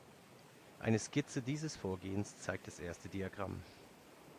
Eine Skizze dieses Vorgehens zeigt das erste Diagramm.